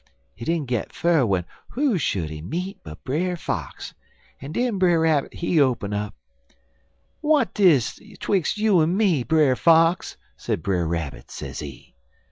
He didn't got fur w'en who should he meet but Brer Fox, en den Brer Rabbit, he open up: "'W'at dis twix' you en me, Brer Fox?' sez Brer Rabbit, sezee.